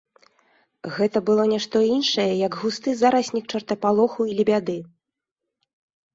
Гэта было не што іншае, як густы зараснік чартапалоху і лебяды.